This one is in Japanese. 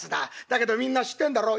だけどみんな知ってんだろ？